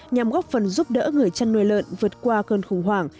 nhằm góp phần giúp đỡ người chăn nuôi lợn vượt qua cơn khủng hoảng